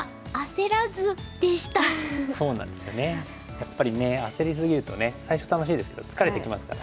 やっぱりねあせり過ぎると最初楽しいですけど疲れてきますから。